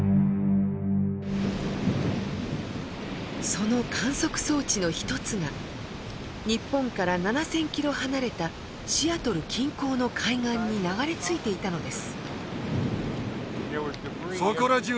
その観測装置の一つが日本から７，０００キロ離れたシアトル近郊の海岸に流れ着いていたのです。